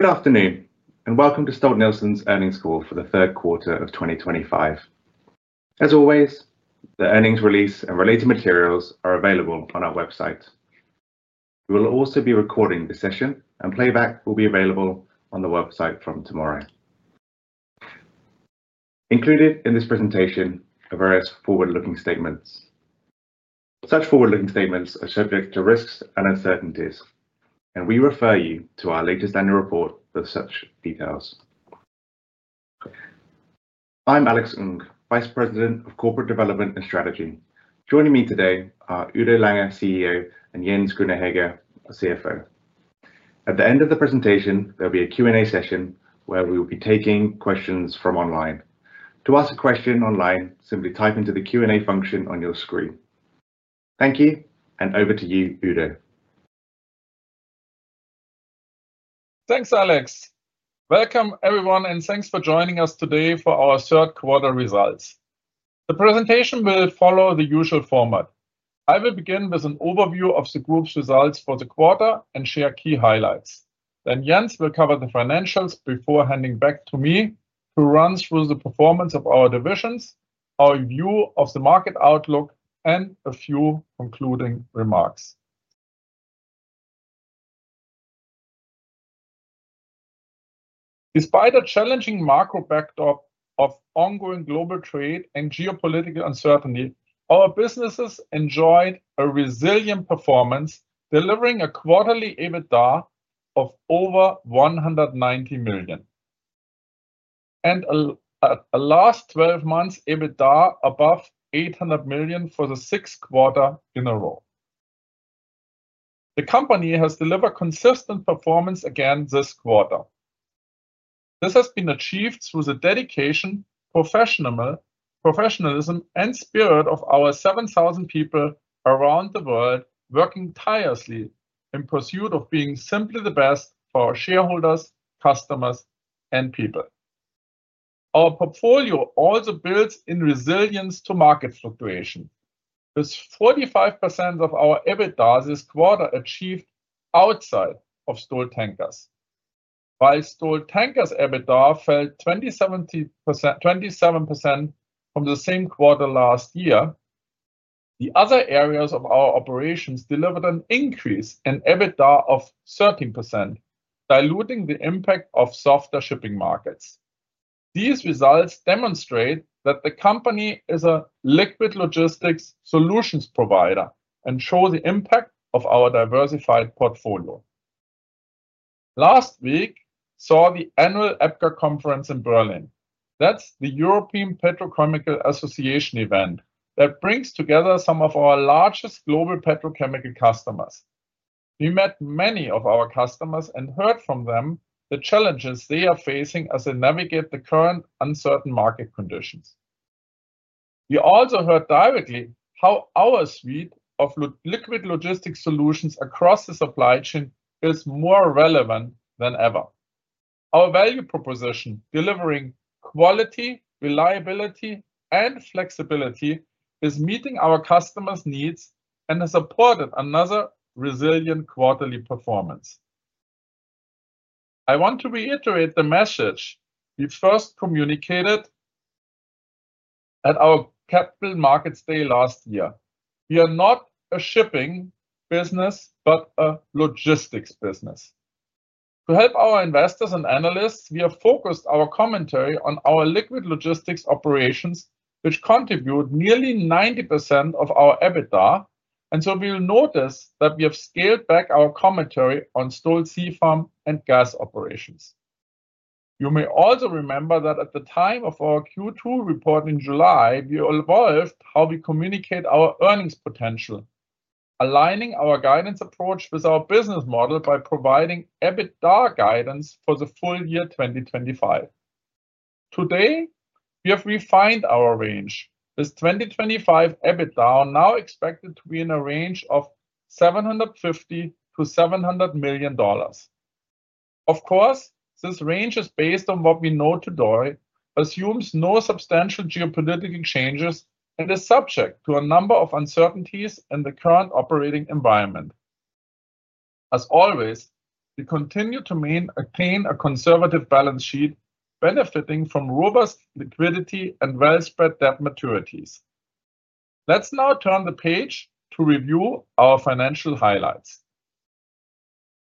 Good afternoon and welcome to Stolt-Nielsen Earnings Call for the third quarter of 2025. As always, the earnings release and related materials are available on our website. We will also be recording the session, and playback will be available on the website from tomorrow. Included in this presentation are various forward-looking statements. Such forward-looking statements are subject to risks and uncertainties, and we refer you to our latest annual report with such details. I'm Alex Ng, Vice President of Corporate Development and Strategy. Joining me today are Udo Lange, CEO, and Jens Grüner-Hegge, CFO. At the end of the presentation, there will be a Q&A session where we will be taking questions from online. To ask a question online, simply type into the Q&A function on your screen. Thank you, and over to you, Udo. Thanks, Alex. Welcome, everyone, and thanks for joining us today for our third quarter results. The presentation will follow the usual format. I will begin with an overview of the group's results for the quarter and share key highlights. Jens will cover the financials before handing back to me, who will run through the performance of our divisions, our view of the market outlook, and a few concluding remarks. Despite a challenging macro backdrop of ongoing global trade and geopolitical uncertainty, our businesses enjoyed a resilient performance, delivering a quarterly EBITDA of over $190 million. In the last 12 months, EBITDA above $800 million for the sixth quarter in a row. The company has delivered consistent performance again this quarter. This has been achieved through the dedication, professionalism, and spirit of our 7,000 people around the world working tirelessly in pursuit of being simply the best for our shareholders, customers, and people. Our portfolio also builds in resilience to market fluctuations. This 45% of our EBITDA this quarter achieved outside of Stolt Tankers. While Stolt Tankers EBITDA fell 27% from the same quarter last year, the other areas of our operations delivered an increase in EBITDA of 13%, diluting the impact of softer shipping markets. These results demonstrate that the company is a liquid logistics solutions provider and show the impact of our diversified portfolio. Last week saw the annual EPCA conference in Berlin. That's the European Petrochemical Association event that brings together some of our largest global petrochemical customers. We met many of our customers and heard from them the challenges they are facing as they navigate the current uncertain market conditions. We also heard directly how our suite of liquid logistics solutions across the supply chain is more relevant than ever. Our value proposition, delivering quality, reliability, and flexibility, is meeting our customers' needs and has supported another resilient quarterly performance. I want to reiterate the message we first communicated at our Capital Markets Day last year. We are not a shipping business but a logistics business. To help our investors and analysts, we have focused our commentary on our liquid logistics operations, which contribute nearly 90% of our EBITDA. You will notice that we have scaled back our commentary on Stolt Sea Farm and gas operations. You may also remember that at the time of our Q2 report in July, we evolved how we communicate our earnings potential, aligning our guidance approach with our business model by providing EBITDA guidance for the full year 2025. Today, we have refined our range. This 2025 EBITDA is now expected to be in a range of $750 million-$700 million. Of course, this range is based on what we know today, assumes no substantial geopolitical changes, and is subject to a number of uncertainties in the current operating environment. As always, we continue to maintain a conservative balance sheet, benefiting from robust liquidity and well-spread debt maturities. Let's now turn the page to review our financial highlights.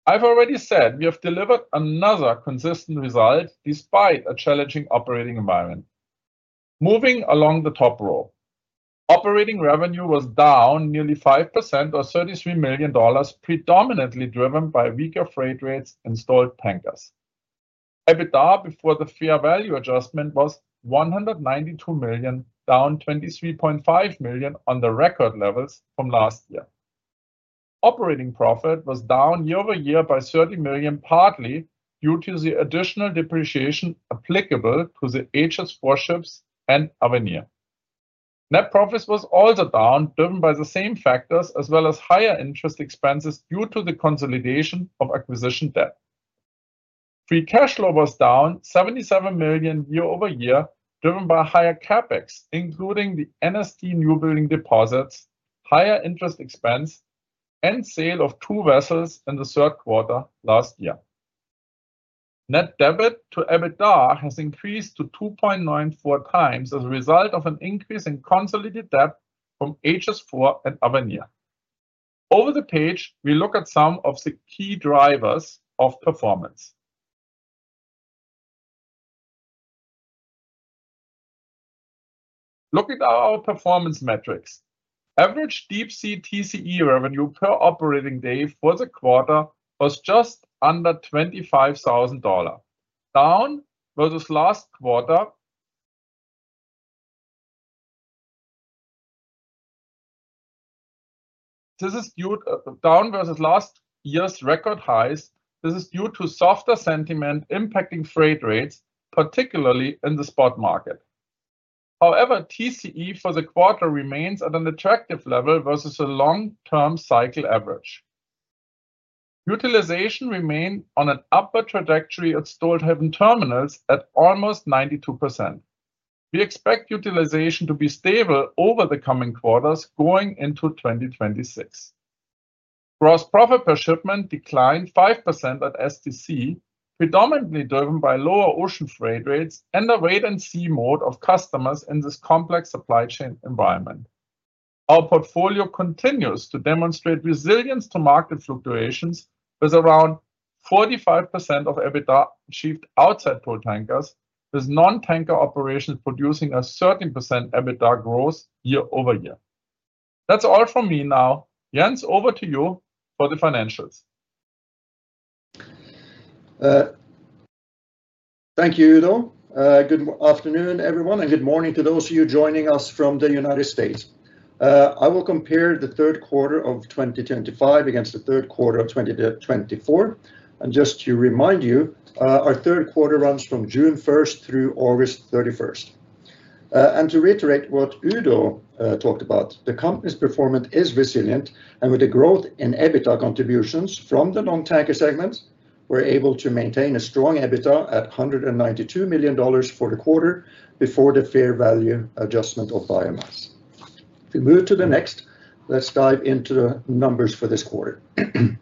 I've already said we have delivered another consistent result despite a challenging operating environment. Moving along the top row, operating revenue was down nearly 5% or $33 million, predominantly driven by weaker freight rates and stalled tankers. EBITDA before the fair value adjustment was $192 million, down $23.5 million on the record levels from last year. Operating profit was down year over year by $30 million, partly due to the additional depreciation applicable to the Hasso Shipping IV ships and Avenir. Net profits were also down, driven by the same factors as well as higher interest expenses due to the consolidation of acquisition debt. Free cash flow was down $77 million year over year, driven by higher CapEx, including the NSD newbuild deposits, higher interest expense, and sale of two vessels in the third quarter last year. Net debt to EBITDA has increased to 2.94 times as a result of an increase in consolidated debt from Hasso Shipping IV and Avenir. Over the page, we look at some of the key drivers of performance. Looking at our performance metrics, average deep-sea TCE revenue per operating day for the quarter was just under $25,000, down versus last quarter. This is down versus last year's record highs. This is due to softer sentiment impacting freight rates, particularly in the spot market. However, TCE for the quarter remains at an attractive level versus the long-term cycle average. Utilization remains on an upward trajectory at Stolthaven Terminals at almost 92%. We expect utilization to be stable over the coming quarters going into 2026. Gross profit per shipment declined 5% at Stolt Tank Containers, predominantly driven by lower ocean freight rates and the wait-and-see mode of customers in this complex supply chain environment. Our portfolio continues to demonstrate resilience to market fluctuations, with around 45% of EBITDA achieved outside Stolt Tankers, with non-tanker operations producing a 13% EBITDA growth year over year. That's all from me now. Jens, over to you for the financials. Thank you, Udo. Good afternoon, everyone, and good morning to those of you joining us from the United States. I will compare the third quarter of 2025 against the third quarter of 2024. Just to remind you, our third quarter runs from June 1st through August 31st. To reiterate what Udo talked about, the company's performance is resilient, and with the growth in EBITDA contributions from the non-tanker segments, we're able to maintain a strong EBITDA at $192 million for the quarter before the fair value adjustment of biomass. If we move to the next, let's dive into the numbers for this quarter. The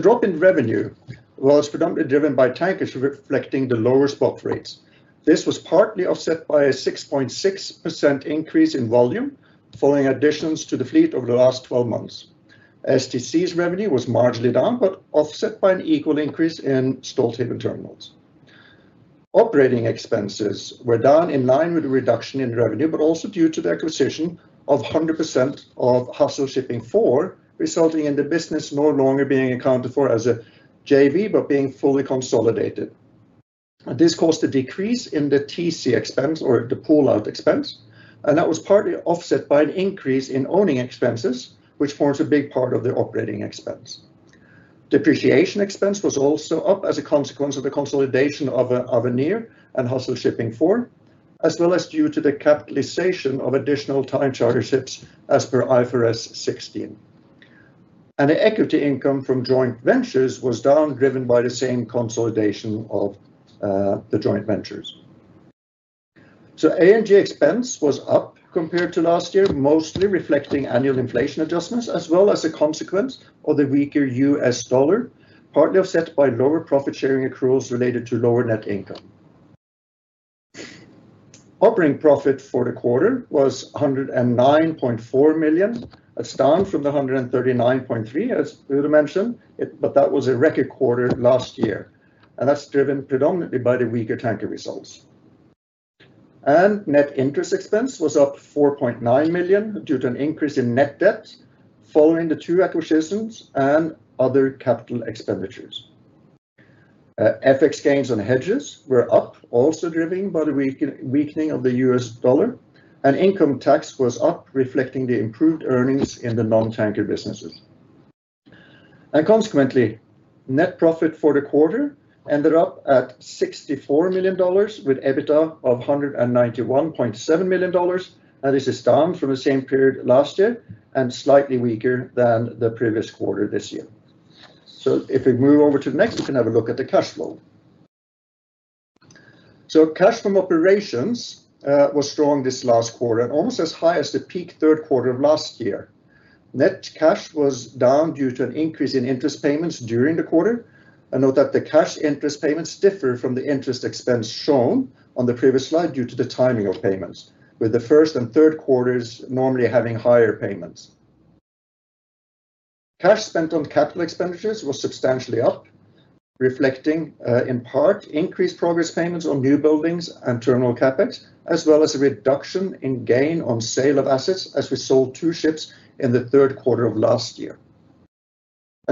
drop in revenue was predominantly driven by tankers reflecting the lower spot rates. This was partly offset by a 6.6% increase in volume following additions to the fleet over the last 12 months. Stolt Tank Containers' revenue was marginally down but offset by an equal increase in Stolthaven Terminals. Operating expenses were down in line with the reduction in revenue, but also due to the acquisition of 100% of Hasso Shipping IV, resulting in the business no longer being accounted for as a JV but being fully consolidated. This caused a decrease in the TC expense or the pull-out expense, and that was partly offset by an increase in owning expenses, which forms a big part of the operating expense. Depreciation expense was also up as a consequence of the consolidation of Avenir and Hasso Shipping IV, as well as due to the capitalization of additional time charter ships as per IFRS 16. The equity income from joint ventures was down, driven by the same consolidation of the joint ventures. SG&A expense was up compared to last year, mostly reflecting annual inflation adjustments, as well as a consequence of the weaker U.S. dollar, partly offset by lower profit-sharing accruals related to lower net income. Operating profit for the quarter was $109.4 million, a stand from the $139.3 million, as Udo mentioned, but that was a record quarter last year. That is driven predominantly by the weaker tanker results. Net interest expense was up $4.9 million due to an increase in net debt following the two acquisitions and other capital expenditures. FX gains on hedges were up, also driven by the weakening of the U.S. dollar, and income tax was up, reflecting the improved earnings in the non-tanker businesses. Consequently, net profit for the quarter ended up at $64 million, with EBITDA of $191.7 million. This is down from the same period last year and slightly weaker than the previous quarter this year. If we move over to the next, we can have a look at the cash flow. Cash from operations was strong this last quarter and almost as high as the peak third quarter of last year. Net cash was down due to an increase in interest payments during the quarter. Note that the cash interest payments differ from the interest expense shown on the previous slide due to the timing of payments, with the first and third quarters normally having higher payments. Cash spent on capital expenditures was substantially up, reflecting in part increased progress payments on newbuildings and terminal CapEx, as well as a reduction in gain on sale of assets as we sold two ships in the third quarter of last year.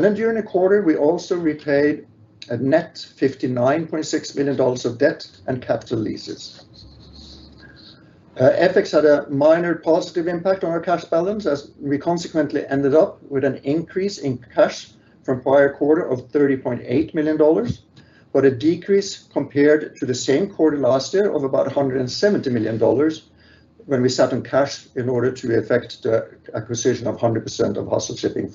During the quarter, we also repaid a net $59.6 million of debt and capital leases. FX had a minor positive impact on our cash balance as we consequently ended up with an increase in cash from prior quarter of $30.8 million, but a decrease compared to the same quarter last year of about $170 million when we sat on cash in order to effect the acquisition of 100% of Hasso Shipping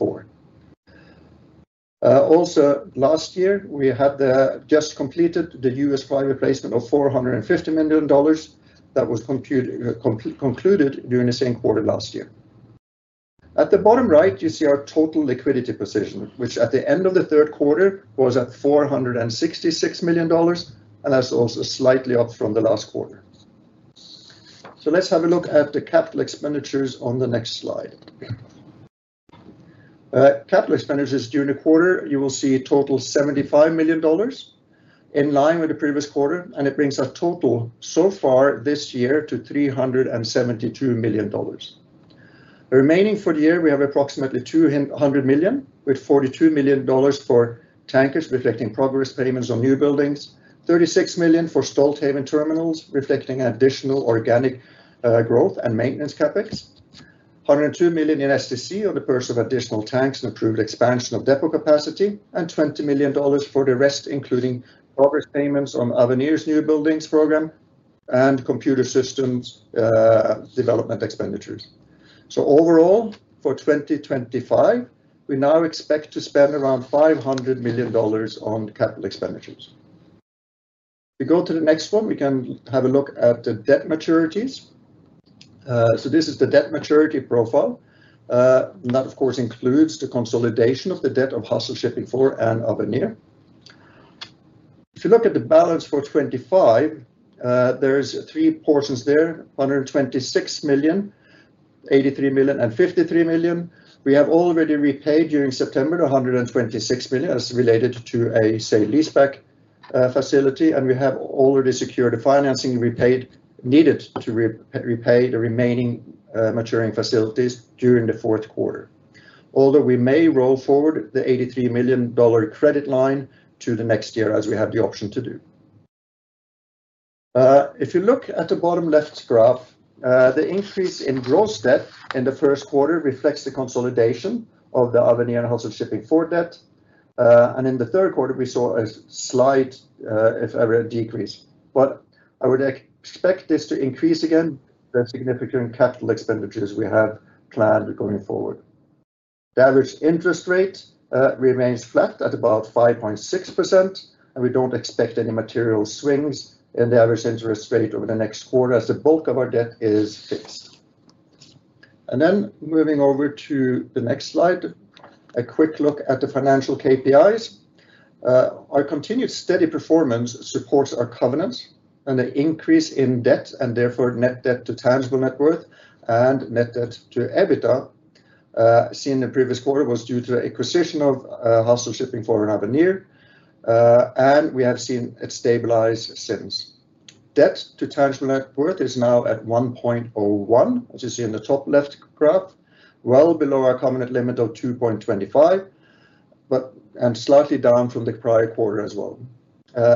IV. Last year, we had just completed the U.S. fly replacement of $450 million that was concluded during the same quarter last year. At the bottom right, you see our total liquidity position, which at the end of the third quarter was at $466 million, and that's also slightly up from the last quarter. Let's have a look at the capital expenditures on the next slide. Capital expenditures during the quarter, you will see a total of $75 million in line with the previous quarter, and it brings our total so far this year to $372 million. Remaining for the year, we have approximately $200 million, with $42 million for tankers reflecting progress payments on newbuildings, $36 million for Stolthaven Terminals reflecting additional organic growth and maintenance CapEx, $102 million in Stolt Tank Containers on the pursuit of additional tanks, improved expansion of depot capacity, and $20 million for the rest, including progress payments on Avenir newbuildings program and computer systems development expenditures. Overall, for 2025, we now expect to spend around $500 million on capital expenditures. If we go to the next form, we can have a look at the debt maturities. This is the debt maturity profile. That, of course, includes the consolidation of the debt of Hasso Shipping IV and Avenir. If you look at the balance for 2025, there are three portions there: $126 million, $83 million, and $53 million. We have already repaid during September $126 million as related to a, say, leaseback facility, and we have already secured the financing repaid needed to repaid the remaining maturing facilities during the fourth quarter. Although we may roll forward the $83 million credit line to the next year as we have the option to do. If you look at the bottom left graph, the increase in gross debt in the first quarter reflects the consolidation of the Avenir and Hasso Shipping IV debt. In the third quarter, we saw a slight, if ever, decrease. I would expect this to increase again with significant CapEx we have planned going forward. The average interest rate remains flat at about 5.6%, and we don't expect any material swings in the average interest rate over the next quarter as the bulk of our debt is fixed. Moving over to the next slide, a quick look at the financial KPIs. Our continued steady performance supports our covenants and the increase in debt, and therefore net debt to tangible net worth and net debt to EBITDA. Seen in the previous quarter was due to the acquisition of Hasso Shipping IV and Avenir, and we have seen it stabilize since. Debt to tangible net worth is now at 1.01, which you see in the top left graph, well below our covenant limit of 2.25, and slightly down from the prior quarter as well.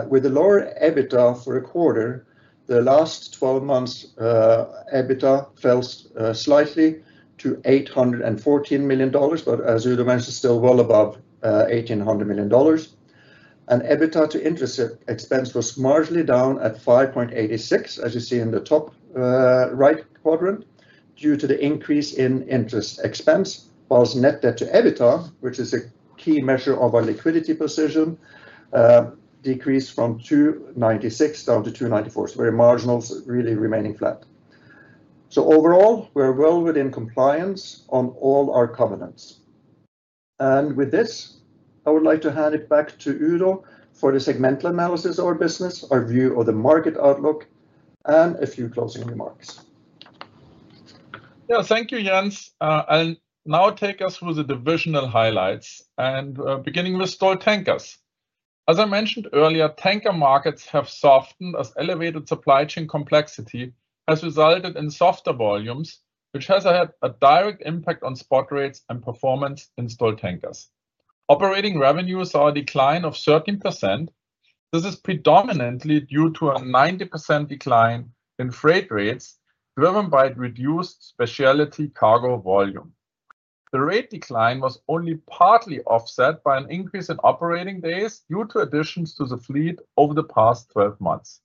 With a lower EBITDA for a quarter, the last 12 months' EBITDA fell slightly to $814 million, but as Udo mentioned, still well above $1,800 million. EBITDA to interest expense was marginally down at 5.86, as you see in the top right quadrant, due to the increase in interest expense, while net debt to EBITDA, which is a key measure of our liquidity position, decreased from 2.96 down to 2.94. Our marginals really remaining flat. Overall, we're well within compliance on all our covenants. With this, I would like to hand it back to Udo for the segmental analysis of our business, our view of the market outlook, and a few closing remarks. Yeah, thank you, Jens. Now take us through the divisional highlights, beginning with Stolt Tankers. As I mentioned earlier, tanker markets have softened as elevated supply chain complexity has resulted in softer volumes, which has had a direct impact on spot rates and performance in Stolt Tankers. Operating revenues saw a decline of 13%. This is predominantly due to a 9% decline in freight rates driven by a reduced specialty cargo volume. The rate decline was only partly offset by an increase in operating days due to additions to the fleet over the past 12 months.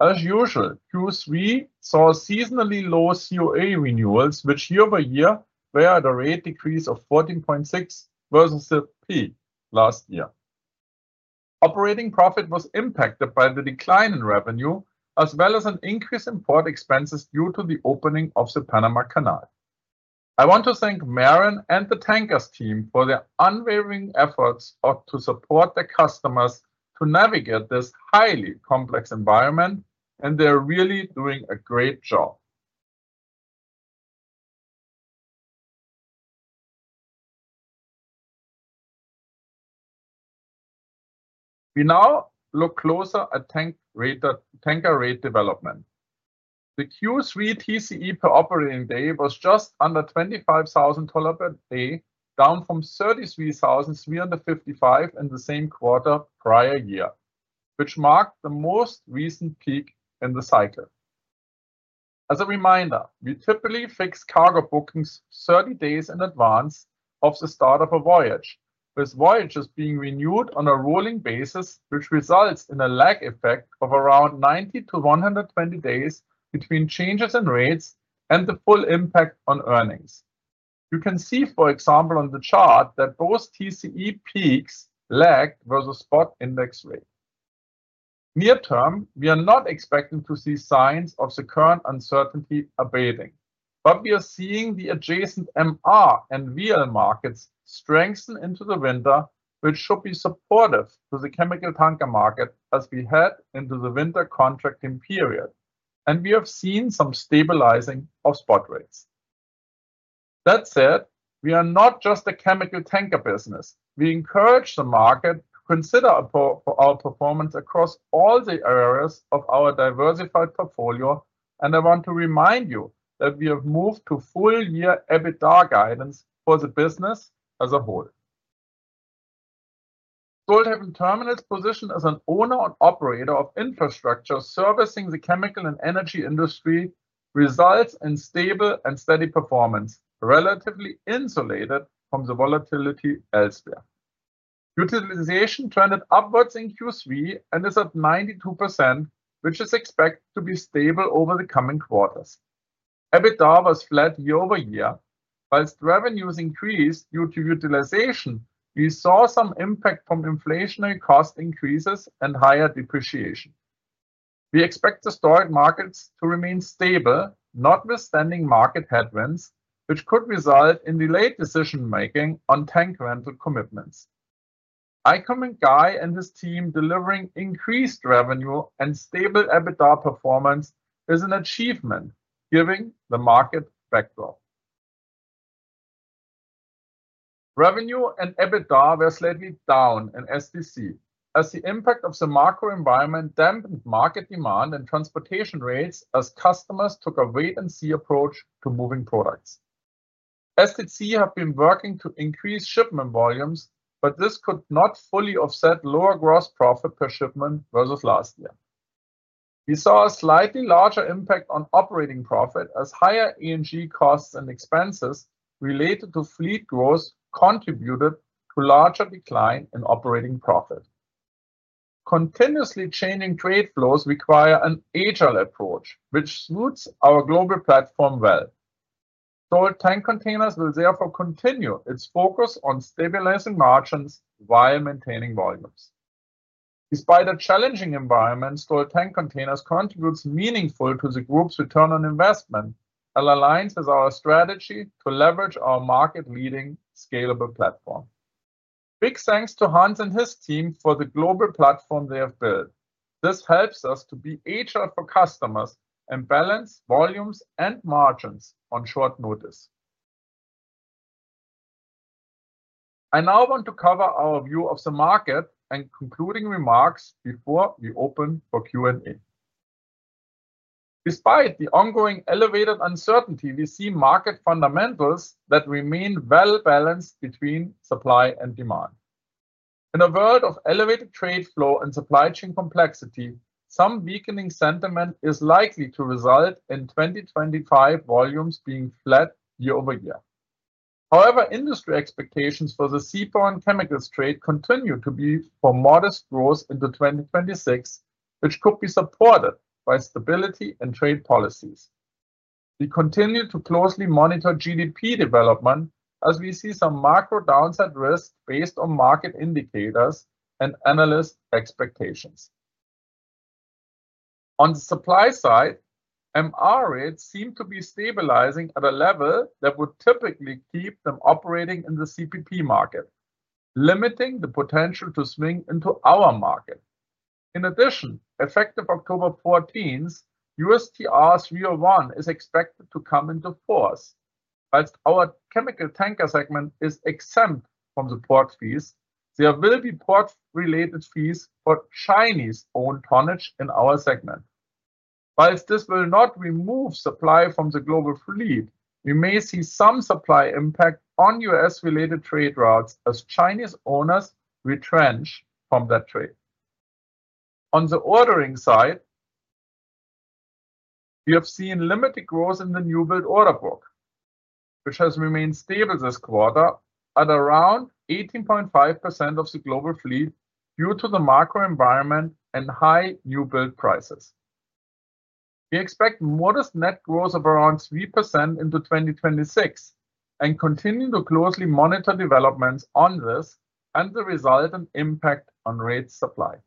As usual, Q3 saw seasonally low COA renewals, which year over year bear a rate decrease of 14.6% versus the peak last year. Operating profit was impacted by the decline in revenue, as well as an increase in port expenses due to the opening of the Panama Canal. I want to thank Maren and the tankers' team for their unwavering efforts to support their customers to navigate this highly complex environment, and they're really doing a great job. We now look closer at tanker rate development. The Q3 TCE per operating day was just under $25,000 per day, down from $33,355 in the same quarter prior year, which marked the most recent peak in the cycle. As a reminder, we typically fix cargo bookings 30 days in advance of the start of a voyage, with voyages being renewed on a rolling basis, which results in a lag effect of around 90 to 120 days between changes in rates and the full impact on earnings. You can see, for example, on the chart that both TCE peaks lagged versus spot index rates. Near term, we are not expecting to see signs of the current uncertainty abating. We are seeing the adjacent MR and VL markets strengthen into the winter, which should be supportive to the chemical tanker market as we head into the winter contracting period. We have seen some stabilizing of spot rates. That said, we are not just a chemical tanker business. We encourage the market to consider our performance across all the areas of our diversified portfolio, and I want to remind you that we have moved to full-year EBITDA guidance for the business as a whole. Stolthaven Terminals' position as an owner and operator of infrastructure servicing the chemical and energy industry results in stable and steady performance, relatively insulated from the volatility elsewhere. Utilization trended upwards in Q3 and is at 92%, which is expected to be stable over the coming quarters. EBITDA was flat year over year. While revenues increased due to utilization, we saw some impact from inflationary cost increases and higher depreciation. We expect the Stolt markets to remain stable, notwithstanding market headwinds, which could result in delayed decision-making on tank rental commitments. I commend Guy and his team delivering increased revenue and stable EBITDA performance is an achievement given the market backdrop. Revenue and EBITDA were slightly down in Stolt Tank Containers as the impact of the macro environment dampened market demand and transportation rates as customers took a wait-and-see approach to moving products. Stolt Tank Containers have been working to increase shipment volumes, but this could not fully offset lower gross profit per shipment versus last year. We saw a slightly larger impact on operating profit as higher ENG costs and expenses related to fleet growth contributed to a larger decline in operating profit. Continuously changing trade flows require an agile approach, which suits our global platform well. Stolt Tank Containers will therefore continue its focus on stabilizing margins while maintaining volumes. Despite a challenging environment, Stolt Tank Containers contributes meaningfully to the group's return on investment and aligns with our strategy to leverage our market-leading scalable platform. Big thanks to Hans and his team for the global platform they have built. This helps us to be agile for customers and balance volumes and margins on short notice. I now want to cover our view of the market and concluding remarks before we open for Q&A. Despite the ongoing elevated uncertainty, we see market fundamentals that remain well balanced between supply and demand. In a world of elevated trade flow and supply chain complexity, some weakening sentiment is likely to result in 2025 volumes being flat year over year. However, industry expectations for the seaborne and chemicals trade continue to be for modest growth into 2026, which could be supported by stability and trade policies. We continue to closely monitor GDP development as we see some macro downside risk based on market indicators and analysts' expectations. On the supply side, MR rates seem to be stabilizing at a level that would typically keep them operating in the CPP market, limiting the potential to swing into our market. In addition, effective October 14, USTR 301 is expected to come into force. Whilst our chemical tanker segment is exempt from the port fees, there will be port-related fees for Chinese-owned tonnage in our segment. Whilst this will not remove supply from the global fleet, we may see some supply impact on U.S.-related trade routes as Chinese owners retrench from that trade. On the ordering side, we have seen limited growth in the newbuild order book, which has remained stable this quarter at around 18.5% of the global fleet due to the macro environment and high newbuild prices. We expect modest net growth of around 3% into 2026 and continue to closely monitor developments on this and the resultant impact on rate supply.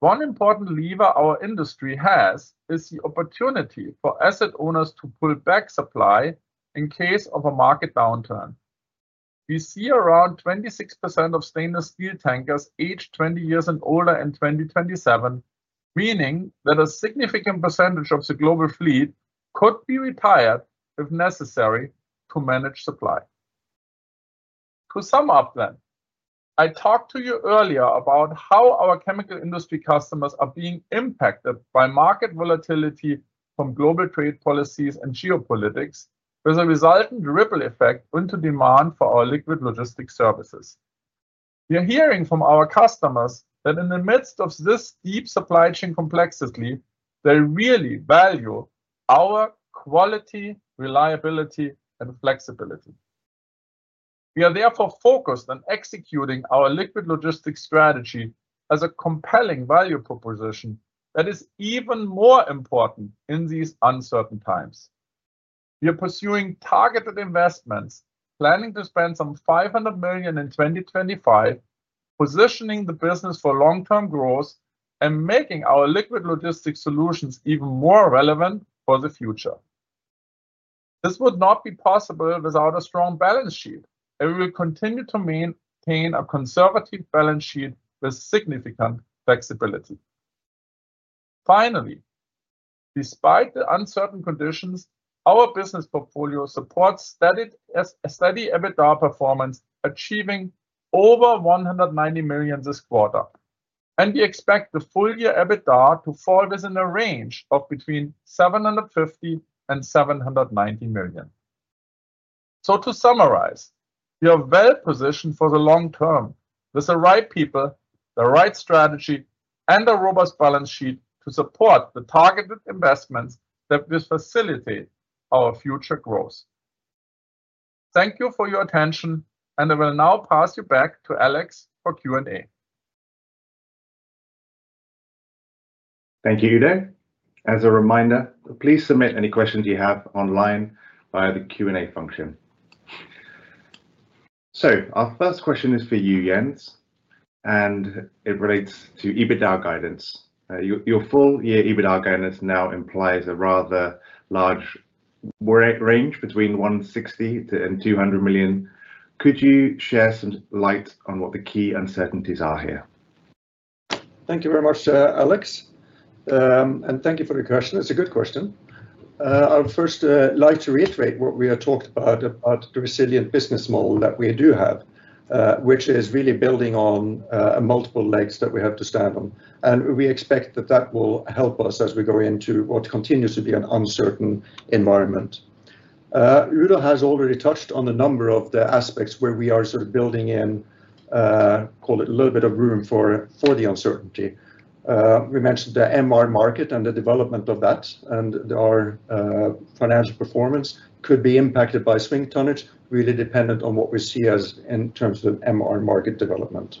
One important lever our industry has is the opportunity for asset owners to pull back supply in case of a market downturn. We see around 26% of stainless steel tankers aged 20 years and older in 2027, meaning that a significant percentage of the global fleet could be retired if necessary to manage supply. To sum up then, I talked to you earlier about how our chemical industry customers are being impacted by market volatility from global trade policies and geopolitics with a resultant ripple effect into demand for our liquid logistics services. We are hearing from our customers that in the midst of this deep supply chain complexity, they really value our quality, reliability, and flexibility. We are therefore focused on executing our liquid logistics strategy as a compelling value proposition that is even more important in these uncertain times. We are pursuing targeted investments, planning to spend some $500 million in 2025, positioning the business for long-term growth, and making our liquid logistics solutions even more relevant for the future. This would not be possible without a strong balance sheet, and we will continue to maintain a conservative balance sheet with significant flexibility. Finally, despite the uncertain conditions, our business portfolio supports a steady EBITDA performance, achieving over $190 million this quarter, and we expect the full-year EBITDA to fall within a range of between $750 and $790 million. To summarize, we are well positioned for the long term with the right people, the right strategy, and a robust balance sheet to support the targeted investments that will facilitate our future growth. Thank you for your attention, and I will now pass you back to Alex for Q&A. Thank you, Udo. As a reminder, please submit any questions you have online via the Q&A function. Our first question is for you, Jens, and it relates to EBITDA guidance. Your full-year EBITDA guidance now implies a rather large range between $160 million-$200 million. Could you share some light on what the key uncertainties are here? Thank you very much, Alex, and thank you for the question. It's a good question. I would first like to reiterate what we have talked about, about the resilient business model that we do have, which is really building on multiple legs that we have to stand on. We expect that that will help us as we go into what continues to be an uncertain environment. Udo has already touched on a number of the aspects where we are sort of building in, call it a little bit of room for the uncertainty. We mentioned the MR market and the development of that, and our financial performance could be impacted by swing tonnage, really dependent on what we see in terms of MR market development.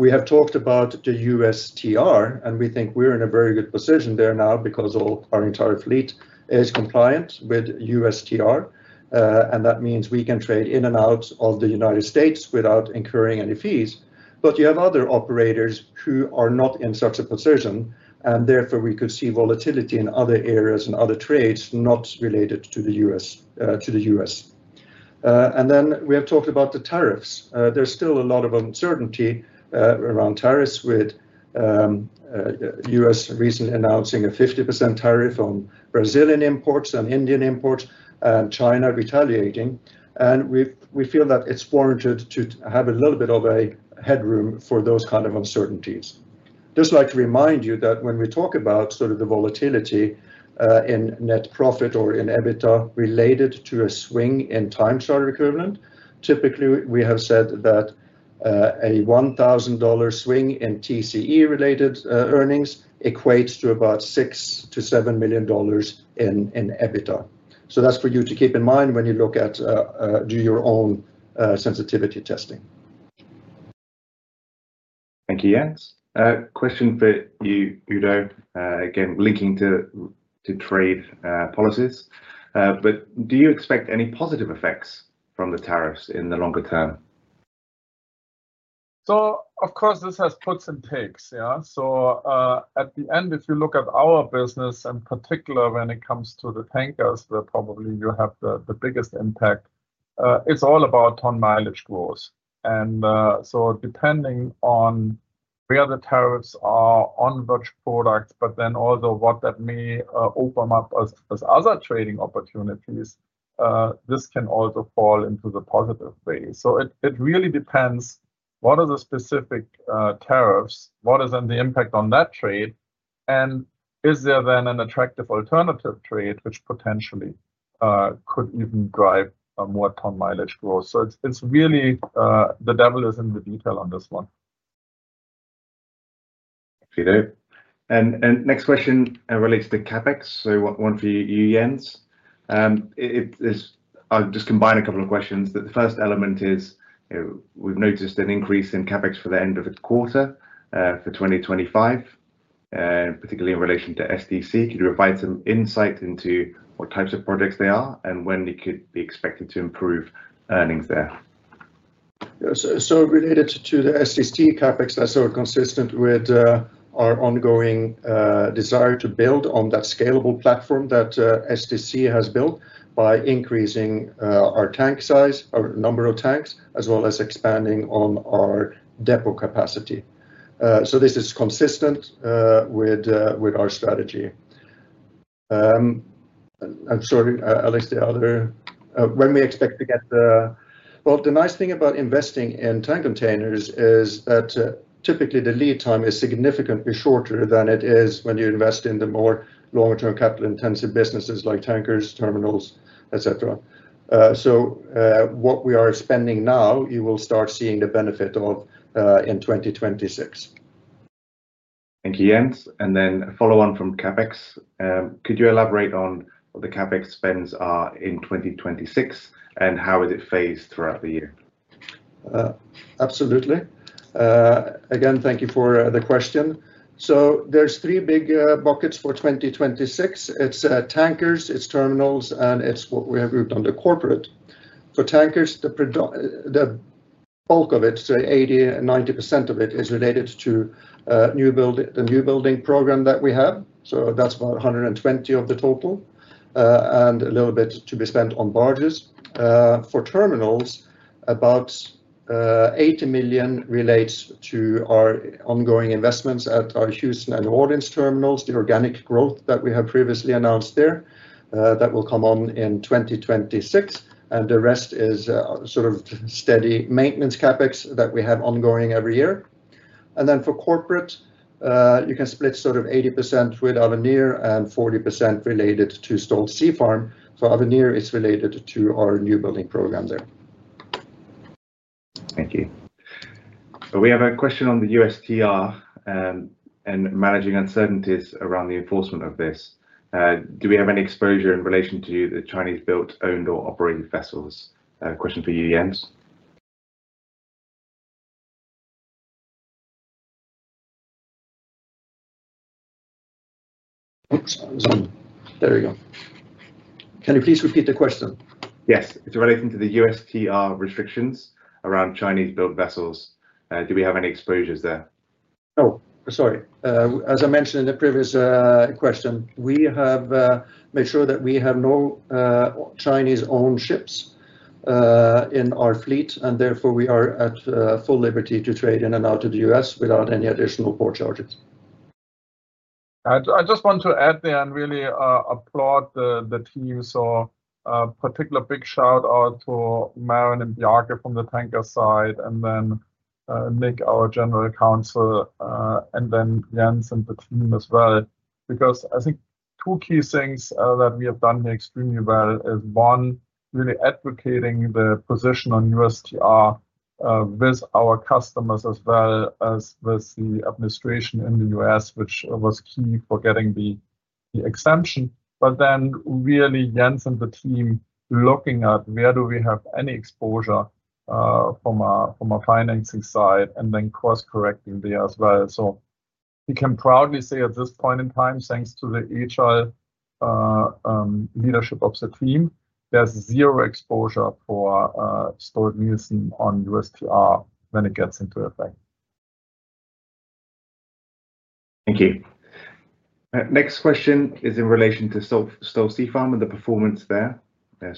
We have talked about the USTR 301, and we think we're in a very good position there now because our entire fleet is compliant with USTR 301, and that means we can trade in and out of the U.S. without incurring any fees. You have other operators who are not in such a position, and therefore we could see volatility in other areas and other trades not related to the U.S. We have talked about the tariffs. There's still a lot of uncertainty around tariffs, with the U.S. recently announcing a 50% tariff on Brazilian imports and Indian imports, and China retaliating. We feel that it's warranted to have a little bit of a headroom for those kinds of uncertainties. Just like to remind you that when we talk about sort of the volatility in net profit or in EBITDA related to a swing in time charter equivalent, typically we have said that a $1,000 swing in TCE-related earnings equates to about $6 million-$7 million in EBITDA. That's for you to keep in mind when you look at do your own sensitivity testing. Thank you, Jens. Question for you, Udo, again linking to trade policies. Do you expect any positive effects from the tariffs in the longer term? Of course, this has puts and picks. At the end, if you look at our business, in particular when it comes to the tankers, where probably you have the biggest impact, it's all about ton mileage growth. Depending on where the tariffs are on which products, but then also what that may open up as other trading opportunities, this can also fall into the positive phase. It really depends what are the specific tariffs, what is the impact on that trade, and is there then an attractive alternative trade which potentially could even drive more ton mileage growth. It's really, the devil is in the detail on this one. Thank you, Udo. Next question relates to CapEx. One for you, Jens. I'll just combine a couple of questions. The first element is we've noticed an increase in CapEx for the end of the quarter for 2025, particularly in relation to Stolt Tank Containers. Could you provide some insight into what types of projects they are and when we could be expected to improve earnings there? Related to the STC CapEx, that's consistent with our ongoing desire to build on that scalable platform that Stolt Tank Containers has built by increasing our tank size, our number of tanks, as well as expanding on our depot capacity. This is consistent with our strategy. I'm sorry, Alex, the other, when we expect to get the, the nice thing about investing in tank containers is that typically the lead time is significantly shorter than it is when you invest in the more long-term capital-intensive businesses like tankers, terminals, etc. What we are spending now, you will start seeing the benefit of in 2026. Thank you, Jens. Could you elaborate on what the CapEx spends are in 2026 and how it would phase throughout the year? Absolutely. Again, thank you for the question. There are three big buckets for 2026: it's tankers, it's terminals, and it's what we have grouped under corporate. For tankers, the bulk of it, say 80%-90% of it, is related to the newbuild order book that we have. That's about $120 million of the total, and a little bit to be spent on barges. For terminals, about $80 million relates to our ongoing investments at our Houston and Orleans terminals, the organic growth that we have previously announced there that will come on in 2026. The rest is steady maintenance CapEx that we have ongoing every year. For corporate, you can split sort of 80% with Avenir and 40% related to Stolt Sea Farm. Avenir is related to our newbuild order book there. Thank you. We have a question on the USTR 301 and managing uncertainties around the enforcement of this. Do we have any exposure in relation to the Chinese-built, owned, or operated vessels? A question for you, Jens. There we go. Can you please repeat the question? Yes, it's relating to the USTR 301 restrictions around Chinese-built vessels. Do we have any exposures there? Sorry, as I mentioned in the previous question, we have made sure that we have no Chinese-owned ships in our fleet, and therefore we are at full liberty to trade in and out of the U.S. without any additional port charges. I just want to add there and really applaud the teams. A particular big shout out to Maren and Bjarke from the tanker side, and then Nick, our General Counsel, and then Jens and the team as well, because I think two key things that we have done here extremely well is, one, really advocating the position on USTR 301 with our customers as well as with the administration in the U.S., which was key for getting the exemption. Jens and the team also looked at where do we have any exposure from our financing side and then cross-correcting there as well. We can proudly say at this point in time, thanks to the agile leadership of the team, there's zero exposure for Stolt-Nielsen on USTR 301 when it gets into effect. Thank you. Next question is in relation to Stolt Sea Farm and the performance there.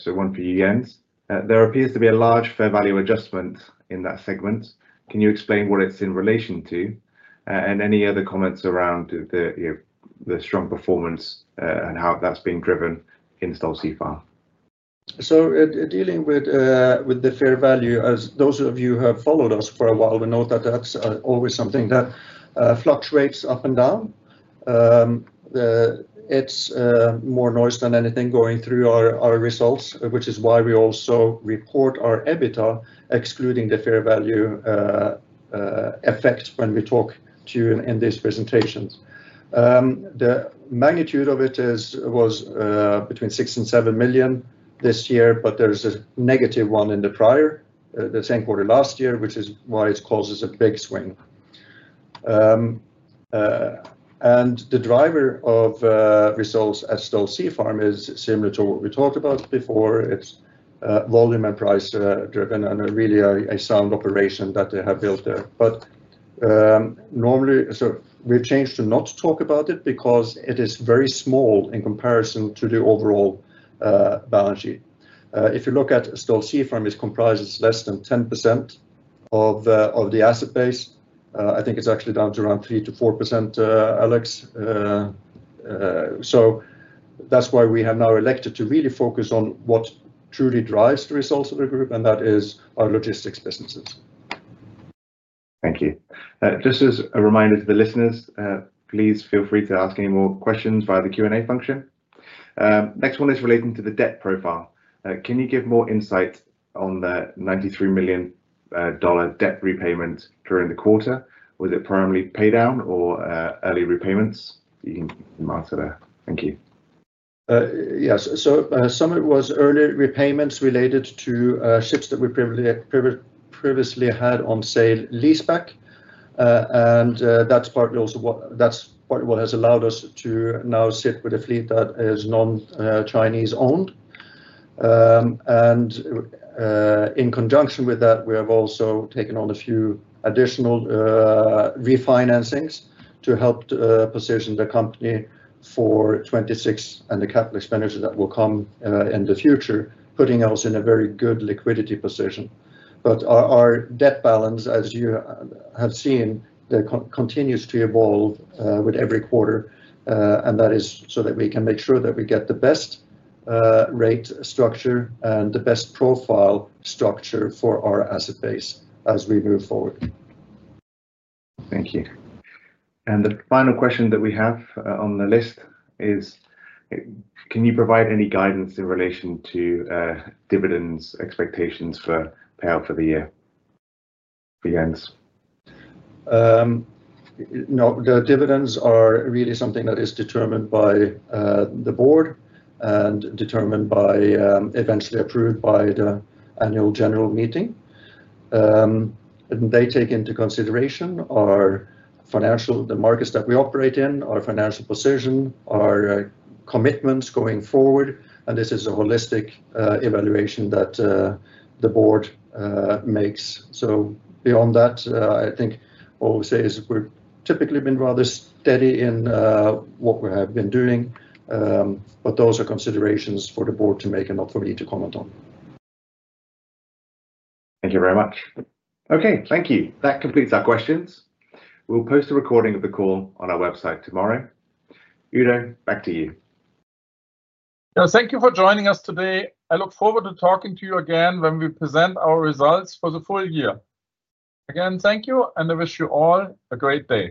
One for you, Jens. There appears to be a large fair value adjustment in that segment. Can you explain what it's in relation to and any other comments around the strong performance and how that's being driven in Stolt Sea Farm? Dealing with the fair value, as those of you who have followed us for a while know, that's always something that fluctuates up and down. It's more noise than anything going through our results, which is why we also report our EBITDA, excluding the fair value effects when we talk to you in these presentations. The magnitude of it was between $6 million and $7 million this year, but there's a negative one in the prior, the same quarter last year, which is why it causes a big swing. The driver of results at Stolt Sea Farm is similar to what we talked about before. It's volume and price driven and really a sound operation that they have built there. Normally, we've changed to not talk about it because it is very small in comparison to the overall balance sheet. If you look at Stolt Sea Farm, it comprises less than 10% of the asset base. I think it's actually down to around 3% -4%, Alex. That's why we have now elected to really focus on what truly drives the results of the group, and that is our logistics businesses. Thank you. This is a reminder to the listeners. Please feel free to ask any more questions via the Q&A function. Next one is relating to the debt profile. Can you give more insight on the $93 million debt repayment during the quarter? Was it primarily paydown or early repayments? You can answer there. Thank you. Yes, some of it was early repayments related to ships that we previously had on sale leaseback. That is partly also what has allowed us to now sit with a fleet that is non-Chinese owned. In conjunction with that, we have also taken on a few additional refinancings to help position the company for 2026 and the capital expenditures that will come in the future, putting us in a very good liquidity position. Our debt balance, as you have seen, continues to evolve with every quarter. That is so we can make sure that we get the best rate structure and the best profile structure for our asset base as we move forward. Thank you. The final question that we have on the list is, can you provide any guidance in relation to dividends expectations for payout for the year? No, the dividends are really something that is determined by the board and eventually approved by the annual general meeting. They take into consideration our financials, the markets that we operate in, our financial position, and our commitments going forward. This is a holistic evaluation that the board makes. I think Stolt-Nielsen has typically been rather steady in what we have been doing, but those are considerations for the board to make and not for me to comment on. Thank you very much. Okay, thank you. That completes our questions. We'll post the recording of the call on our website tomorrow. Udo, back to you. Thank you for joining us today. I look forward to talking to you again when we present our results for the full year. Thank you, and I wish you all a great day.